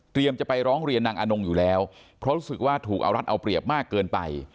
จะไปร้องเรียนนางอนงอยู่แล้วเพราะรู้สึกว่าถูกเอารัฐเอาเปรียบมากเกินไป